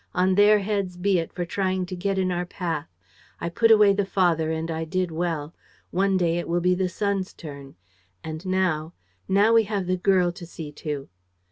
On their heads be it for trying to get in our path! I put away the father and I did well. One day it will be the son's turn. And now ... now we have the girl to see to."